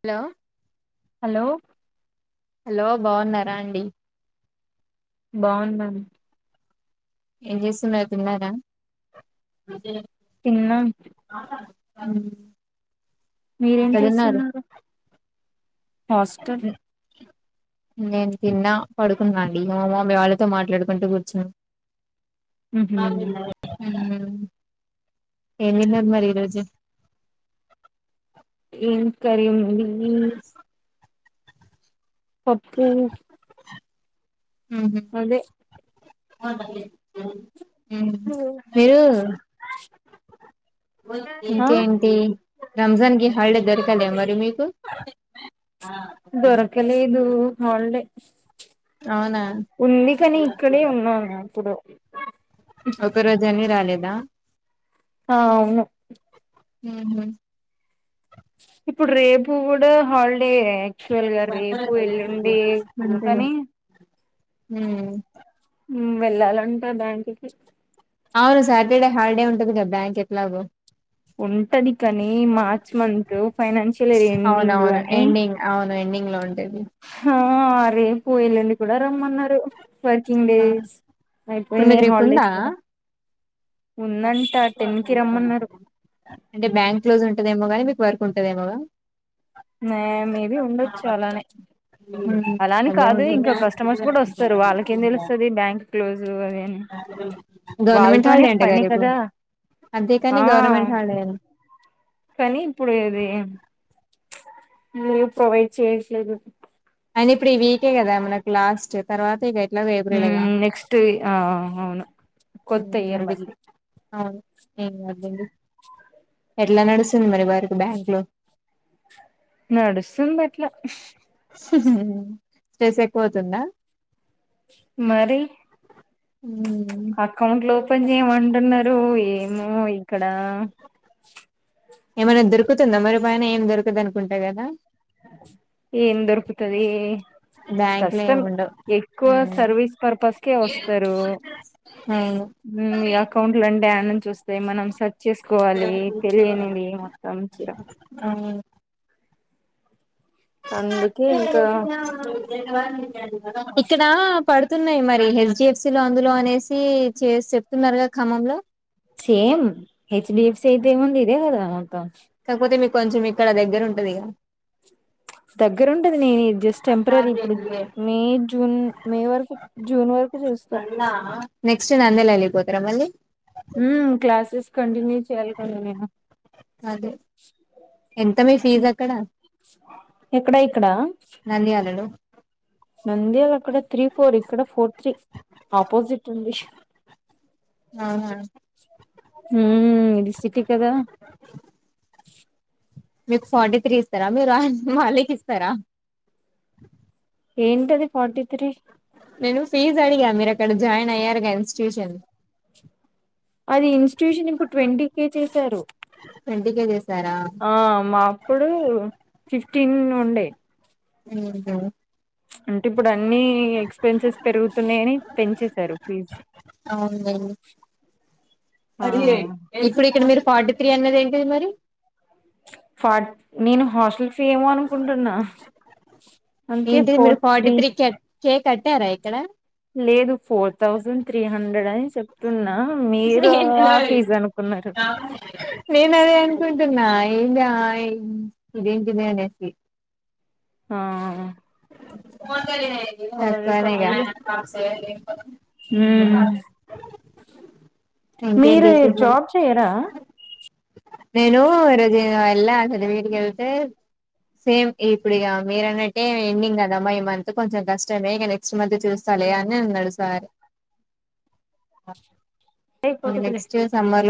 Hello hello hello బాగున్నారా అండి బాగున్నాం ఏం చేస్తున్నారు తిన్నారా తిన్నాం ఆ మీరేం చేస్తున్నారు హాస్టల్ నేను తిన్నా పడుకున్నా అండి మా మమ్మీ వాళ్ళతో మాట్లాడుకుంటూ కూర్చున్నా టిఫిన్ అయ్యింది హ్మ్ ఏం తిన్నారూ మరి ఈ రోజు ఏం కర్రి వండినవ్ [unintelligible] పప్పు అదే [unintelligible] హ్మ్ మీరు ఆ ఇంకేంటి రంజాన్ గిన బయట దొరకాలే మరి మీకు దొరకలేదు హాలిడే అవునా [inaudible] ఉంది. కాని ఇక్కడే ఉన్నాను ఇప్పుడు ఒక రోజు ఆని రాలేదు. దా ఆ అవును ఉహ్ ఇప్పుడు రేపు కూడా హల్ డే యాక్చువల్గా రేపు ఎల్లుండి అంతేలే. కానీ ఉమ్, ఉమ్ వెళ్లాలంట బ్యాంకు కి అవును. సాటర్డే హాలిడే ఉంటదిగా బ్యాంక్ ఎట్లాగో ఉంటది. కానీ March month financial year ending అని [unintelligible] ఏవీ ఆ రేపు ఎల్లుండి కూడా రమ్మన్నారు. వర్కింగ్ ఆ డేస్ ఇప్పుడు అయిపోయినాయి. మీకు రేపు ఉందా హాలిడేస్ కూడా ఉందంట టెన్ కి రమ్మన్నారు అంటే బ్యాంక్ క్లోజ్ ఉంటదేమో గాని మీక్ వరకు ఉంటదేమోగా మే మే బి ఉండొచ్చు. అలానే అలాని అదే కాదు ఉంటుంది ఇంకా కస్టమర్స్ కూడా వోస్తారు. వాళ్ళకేం తెలుస్తది. బ్యాంక్ క్లోజ్ అది అని గవర్నమెంట్ వాళ్ళతోనే హాలడే అంటగా పని రేపు కదా అంతే కాని ఆ గవర్నమెంట్ హాలడే గాదా ఏం ప్రొవైడ్ చేయట్లేదు. అయిన ఇప్పుడు ఈ వీకే కదా మన లాస్ట్ తర్వాత ఇగ హ నెక్స్ట్ ఆ అవును కొత్త ఇయర్ అందుకే మళ్లీ అవును ఏం కాద్దండి ఎట్లా నడుస్తుంది మరి వారికి బ్యాంకులో నడుస్తుంది అట్ల స్ట్రెస్ ఎక్కువ అవుతుందా మరి ఉమ్. అకౌంట్లు ఓపెన్ చేయమంటున్నారు ఏమో ఇక్కడ ఏమైనా దొరుకుతుందా మరి పైన ఏం దొరకదు అనుకుంటా కదా ఏం దొరుకుతది బ్యాంక్ లో కష్టం ఏమి ఉండవు ఎక్కువ ఉమ్. సర్వీస్ పర్పస్కే వస్తారు అవును ఈ అకౌంటు రెండు యానం అ మనం సర్చ్ చేసుకోవాలి తెలియనిది మొత్తం చిరాకు అవును అందుకే ఇంకా అ ఇక్కడ పడుతుంది చెప్న్నయి మరి హెచ్డడిఎఫ్సి లో అందులో అనేసి చే చెప్తున్నారుగా ఖమ్మంలో same H D F C అఐతే ఏమంది ఇదే కదా కాకపోతే మీ కొంచెం ఇక్కడ దగ్గర ఉంటదిగా దగ్గరుండి నేను జస్ట్ టెంపరీ ఇప్పుడు మే జూన్ మే వరకు జూన్ వరకు చూస్తా నెస్ట్ నందెల అగ పోతార మళ్లీ క్లాసెస్ కంటిన్యూ చేయాలి కన్నా నేను అదే ఎంత మీ ఫీజు అక్కడ ఎక్కడా ఇక్కడా నంద్యాల్ హలో నంద్యాల్ అక్కడ త్రీ ఫోర్ ఇక్కడ ఫోర్ త్రీ ఆపోజిట్ ఉంది ఆ హ ఇది సిటీ కదా మీకు ఫార్టీ త్రీ ఇస్తారా మీరు మాలిక్ ఇస్తారా ఏంటి అది కోటి తీ ఫీజ్ అడిగా మీరు అక్కడ జాయిన్ అయ్యారుగా ఇన్స్టిట్యూషన్ అది ఇన్స్టిట్యూషన్ ఇప్పుడు ట్వంటీ కే చేశారు ట్వంటీ కే చేసారా ఆ మా అప్పుడు టిన్ ఉండే ఉహు అంటే ఇప్పుడు అన్ని ఎక్స్పెన్సెస్ పెరుగుతున్నాయని పెంచేశారు ప్లీజ్ ఆ ఇప్పుడు ఇక్కడ మీరు ఫార్టీ త్రీ అన్నది ఏంటిది మరి పట్ నేను హాస్టల్ ఫీ ఏమో అనుకుంటున్నా అందుకే ఏంటి మీరు ఫోర్ ఫార్టీ త్రీ కెట్ కే కట్టారా ఇక్కడ సెప్తున్నా నేను నేనదే అనుకున్ టున్నా ఏందా ఇదేంటి ది అనేసి ఆ అదే తక్కవనే గా కాదులే హ్మ్ మీరు జాబ్ చెయ్యరా నేను రోజ [unintelligible] ళ్ళా [unintelligible] వెళ్తే సేమ్ ఇప్పుడిగ మీరన్నట్ ఏం ఎండింగ్ కదమ్మా ఈ మంత్ కొంచెం కష్టమే ఇక నెక్స్ట్ మంత్ చూస్తాలే అని అన్నాడు sir [unintelligible] అయిపోతదిలే next summer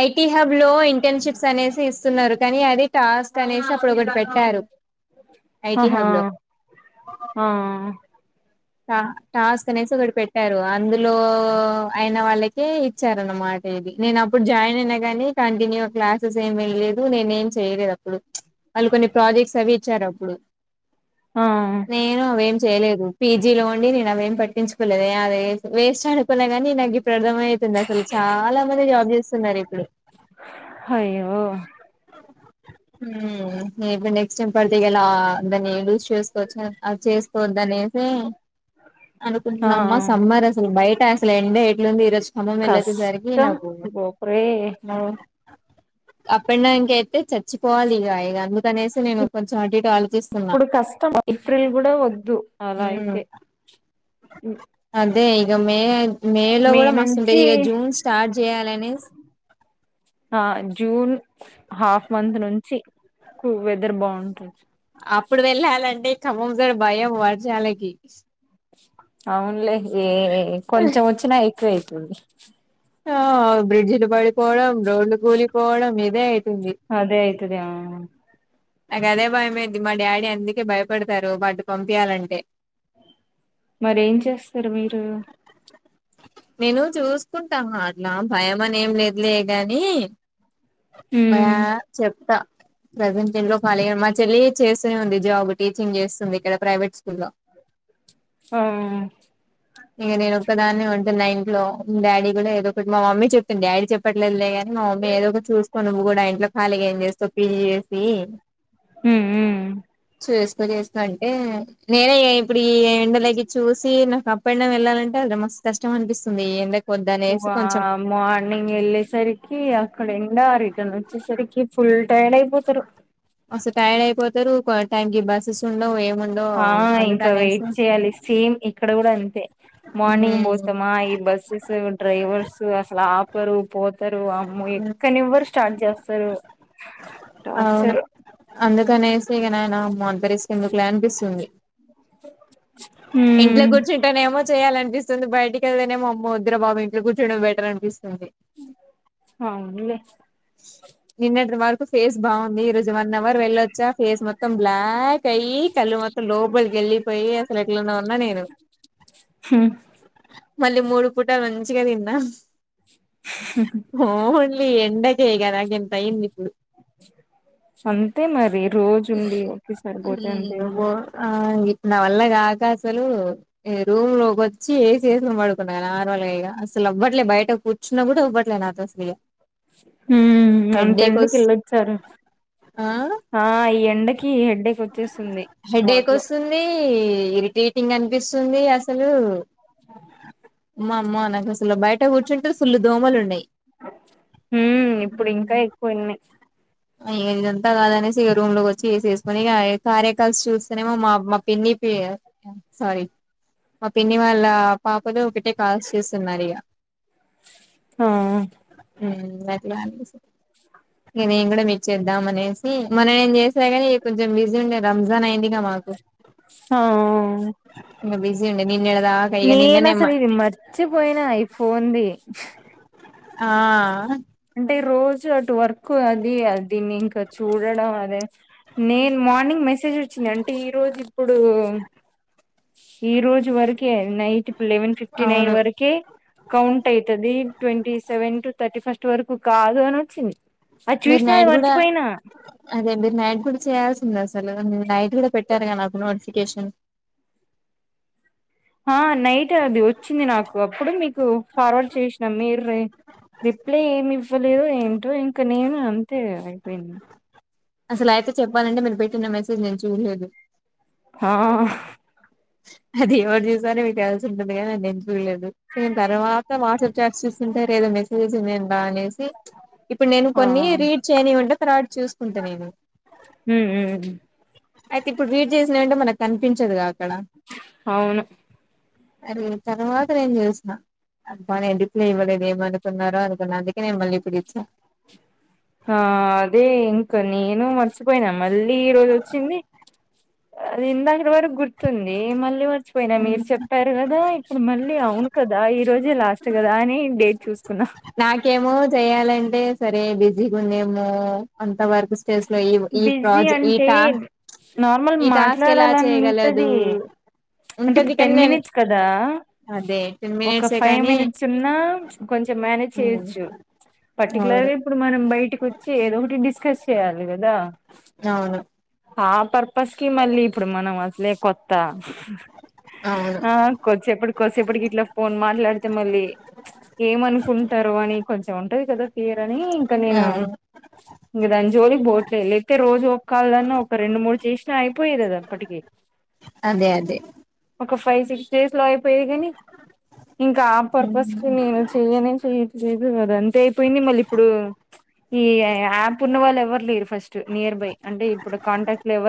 I T hub లో ఇంటర్న్షిప్స్ అనేసేసి స్తున్నారు కానీ అదే టాస్క్ అనేసి అప్పుడు ఒకటి పెట్టారు ఐటీ ఆహా హబ్ లో ఆ టా టాస్ అనేసి ఒకటి పెట్టారు అందులో అయిన వాళ్ళకి ఇచ్చారు అన్నమాట ఇది నేను అప్పుడు జాయిన్ అయినా కాని కంటిన్యూ క్లాస్ సు సేం వెళ్ళేదు నేనేం చేయలేదు అప్పుడు వాళ్ళు కొన్ని ప్రాజెక్ట్స్ అవి ఇచ్చారు అప్పుడు ఆ నేను ఏం చేయలేదు పీ జీ లో ఉండి నేను అవేం పట్టించుకోలేదు ఎ [unintelligible] వేస్ట్ అనుకున్నాగాని నాకిప్ ప్పుడు అర్థం ఐతుంది అసలు చాలా మంది జాబ్ చేస్తున్నారు ఇప్పుడు అయ్యో మ్ నీకు నెక్స్ట్ టైం పడితే గలా అందని యూస్ చేసుకోవచ్చ అ చేసుకోవద్దనేసి ఆ అనుకుంటున్నామ్మా సమ్మర్ అసలు బైట్ ట అసలు ఎండి ఎట్లుంది ఈ రోజు అమ్మమ్మెళ్ళోచ్చేసరికి కష్టం నాకు గోపురే ను అప్ ప్పినడానికయితే చచ్చిపోవాలి ఇగ ఇగ అందుకనేసి నేను కొంచెం అటు ఇటు ఆలోచిస్తున్నా ఇప్పుడు కష్టం ఏప్రిల్ కూడా వద్దు అలా ఉమ్ అయితే ఉ అదే ఇక మే మే లో కూడా మస్తుంటాయి నుంచి ఇక జూన్ స్టార్ట్ చేయాలనెస్ ఆ జూన్ హాఫ్ మంత్ నుంచి వెదర్ బాగుంటది అప్పుడు వెళ్ళాలంటే ఖమ్మం సైడ్ భయం వర్షాలకి అవునులే ఏ కొంచెం వచ్చినా యితది ఆ బ్రిడ్జలు పడి పోవడం రోడ్లు కూలిపోవడం ఇదే అయితుంది అదే అయితది ఆ నాక అదే భయమయితది మా డాడీ అందుకే భయపడతారు వాటి కి పంపీయాలంటే మరీ ఏం చేస్తారు మీరు నేను చూసుకుంట అట్లా భయం అని ఏం లేదులేగాని మ్యా ఉమ్ చెప్తా ప్రజెంట్ లాప్ మళ్ళీ మా చెల్లి చేస్తూనే ఉంది జాబ్ టీచింగ్ చేస్తుంది ఇక్కడ ప్రైవేట్ స్కూల్ లో ఆ ఇక నేను ఒక్కదాన్ని ఉంటున్నా ఇంట్లో డాడీ కూడా ఏదో ఒకటి మా మమ్మీ చెప్తుంది డాడీ చెప్పట్లేదులే గాని మా మమ్మీ ఏదో ఒకటి చూసుకో నువ్వు కూడా ఇంట్లో ఖాళీగా ఏం చేస్తావు పీజీ చూసి హు ఉమ్ చేస్కో చేసుకో అంటే నేనే ఇప్పుడు ఈ ఎండలోకి చూసి నాకు ఉపండవ్ వెళ్ళాలంటే అది మస్తూ కష్టం అనిపిస్తుంది ఈ ఎండకు వ వద్దనేసి కొంచెం మార్నింగ్ ఎల్లేసరికి అక్కడ ఎండా ఎ వచ్చేరికి ఫుల్ టైర్డ్ అయిపోతారు మస్త్ టైర్డ్ అయిపోతారు బా టైంకి బసెస్ ఉండవ్ ఆ ఇంకా వెయిట్ చేయాలి సేమ్ ఇక్కడ కూడా అంతే మార్నింగ్ ఉమ్, పోతామా ఈ బస్సెస్ డ్రైవర్స్ అసలు ఆపరు పోత్ రు అమ్మో ఎక్కనివ్వరు స్టార్ట్ చేస్తారు టార్చర్ ఇగా నేను మో అంత రిస్క్ ఎందుకని అనిపిసుంది ఇంట్లో హ్మ్ కూర్చుంటానే ఏమో చేయాల అనిపిస్తుంది బయటిక వెళ్తేనే మో అమో వద్దురా బాబు ఇంట్లో నే కూర్చుడం బెటర్ అనిపిస్తుంది అవున్ లే నిన్నటి వరకు ఫేస్ బాగుంది ఈ రోజు వన్ అవర్ వెళ్ళొచ్చా ఫేస్ మొత్తం బ్లాక్ అయ్యి కళ్ళు మొత్తం లోపలికి వెళ్ళిపోయి అసలు ఎట్లానో ఉన్నా నేను హ్మ్ మళ్ళీ మూడు పూటల మంచిగా తిన్నా [inaudible] హో [inaudible] ఇ ఎండకే కదా ఇంత అయ్యింది ఇప్పుడు అంతే మరి రోజు ఉండి ఒకే సరిపోతే అంతే నువ్వు అయితద్ ఆ నా వల్ల కాక అసలు రూమ్ లోకి వచ్చి ఏససి పడుకున్న నార్మల్గా ఇక అసలు అవ్వట్లే బయట కూర్చున్న కూడా అవ్వట్లే దస్లు అంతేండి కిళ్ళొచ్చారు ఆ ఆ అయ హెడ్డేక్ వచ్చేస్తుంది హెడేక్ స్పాట్ లో వస్తుంది ఇరిటేటింగ్ అనిపిస్తుంది అసలు ఆ మా అమ్మా అ నాకు సు బయట కూర్చుంటే సుల్లు దోమలు ఉన్నాయి హ్మ్ ఇప్పుడు ఇంకా ఎక్కువ ఉన్నయ్ అయ్య ఇదంతా కాద అనేసి ఇక రూమ్ లోకి వచ్చిసేస్త కొనిగా కార్య కాల్స్ చూస్తనేమో మా మా పిన్ని సారీ మా పిన్ని వాళ్ళ పాపలు ఒకటే కాల్స్ చూస్తున్నారు ఇక ఆ ట్ ఇ నేను కూడా మీరు చేద్దాం అనేసి మనం ఏం చేసినా కాని కొంచె బిజీ ఉరజన్ అయింది గా మాకు ఆ ఇంకా బిసి జీ ఉండింది నేను అసలు ఇది మర్చిపోయినా అయిపోన్ది ఆ అంటే రోజు అటు వర్క్ అది అదిన్ని ఇంకా చూడడం అదే నేను మార్నింగ్ మెసేజ్ వచ్చింది అంటే ఈ రోజు ఇప్పుడు ఈ రోజు వరకే నైట్ లెవెన్ ఫిఫ్టీ నైన్ అవును వరక కౌంట్ అవుయితది twenty seven to thirty first ఇ వరకు కాదు అని వచ్చింది అది మీరు చూసినా అది నైడు కూడా మర్చిపోయినా అదే మీరు నైట్ కూడా చేయాల్సి సలు నై కూడా పెట్టారు క నాకు నోటిఫికేషన్ ఆ నైట్ అది వచ్చింది నాకు అప్పుడు మీకు ఫార్వర్డ్ చేసినాం మీరు రిప్లై ఏమి ఇవ్వలేదు ఏంటో ఇంకా నేను అంతే అయిపోయింది అసలు అయితే చెప్పాలండి మీరు పెట్టిన మెసేజ్ నేను చూడలేదు ఆ అది ఎవరు చూసారో మీకు ఎల్సి ఉంటుంది కద నేను దు నే తర్వాత వాట్సాప్ చట్ చూంటదో మెసేజెస్ ఇ అనేసి ఇప్పుడు నేను ఆ కొన్ని రీడ్ చేయని ఉంటే తర్వాత చూసుకుంటా నేను ఉమ్ ఉమ్ అయితే ఇప్పుడు రీడ్ చేసిన అంటే మనకు కనిపించదుగా అక్కడ అవును అరి తర్వాత నేను చూసిన అబ్బానే రడిప్లే ఇవ్వలేదు ఏమనుకున్నారో అనుకున్న అందుకే నేను మళ్ళీ ఇప్పుడు ఇచ్చాను ఆ అదే ఇంకా నేను మర్చిపోయినా మళ్ళీ ఈ రోజు వచ్చింది అది ఇందాకడ వరకు గుర్తుంది మళ్ళీ పోయినా మీరు చెప్పారు కదా ఇక్కడ మళ్ళీ అవును కదా ఈ రోజే లాస్ట్ కదా అని డేట్ చూస్ నాకేమో జేయాలంటే సరే బిజీగా ఉందేమో అంత వరకు తెల్స్ లో ఇవు ఈ బిజీ ప్రాజె అంటే ఈట నార్మల్ మాట్లాడాలని ఉంటది అంటే ఉంటది ఇప్పుడు కానీ టెన్ నేను మినిట్స్ కదా, అదే టెన్ ఒక మినిట్సే ఫైవ్ కానీ మినిట్స్ ఉన్నా కొంచెం మేనేజ్ అవును చేయొచ్చు. అవును పర్టికులర్గా ఇప్పుడు మనం బయటకి వచ్చి ఏదో ఒకటి డిస్కస్. నీకొద్దా అవును ఆ పర్పస్ కి మళ్ళీ ఇప్పుడు మనం అసలే కొత్త అవును ఆ కొచ్చ ఎప్పుడు కోసేపటికి ఇట్లా ఫోన్ మాట్లాడితే మళ్ళీ ప్చ్ ఏమనుకుంటారో అని కొంచెం ఉంటది కదా ఫీయరా అనీ ఇంకా నేను అవును ఇదన్ జోలికి బోవట్లే లేతే రోజు ఒక కాళన్నా ఒక రెండు మూడు చేసినా అయిపోయేది కదా అప్పటికీ అదే అదే ఒక ఫైవ్ సిక్స్ డేస్ లో పేయిగాని ఇంకా ఆ పర్పస్ అదే కు నేను చెయ్యనే చెయ్ ఇదు వరన్ టేయిపోయింది మళ్ళి ఇప్పుడు ప్చ్ ఈ యాప్ ఉన్న వాళ్లు ఎవ్ లేరు ఫస్ట్ నియర్ బై అంటే ఇప్పుడు కాంటాక్ట్ లో ఎవర్